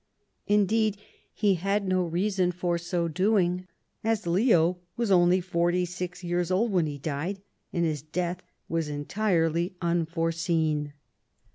Indeed he had no reason for so doing, as Leo was only fortyHsix years old when he died, and his death was entirely unforeseen.